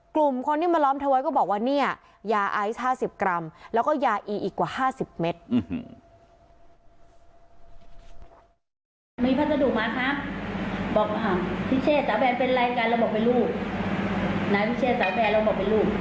กลุ่มคนที่มาล้อมเธอไว้ก็บอกว่าเนี่ยยาไอซ์๕๐กรัมแล้วก็ยาอีอีกกว่า๕๐เมตร